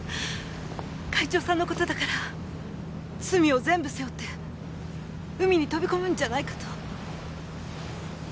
会長さんの事だから罪を全部背負って海に飛び込むんじゃないかと。